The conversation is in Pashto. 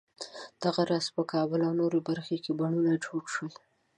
دغه راز په کابل او نورو برخو کې بڼونه جوړ شول.